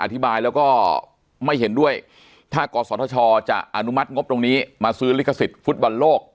อธิบายแล้วก็ไม่เห็นด้วยถ้ากศธชจะอนุมัติงบตรงนี้มาซื้อลิขสิทธิ์ฟุตบอลโลก